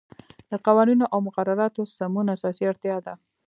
د قوانینو او مقرراتو سمون اساسی اړتیا ده.